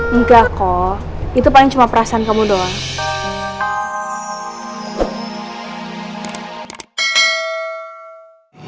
enggak kok itu paling cuma perasaan kamu doang